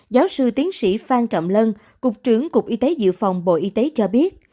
giáo sư tiến sĩ phan trọng lân cục trưởng cục y tế dự phòng bộ y tế cho biết